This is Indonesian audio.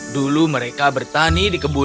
dulu mereka bertani di kebun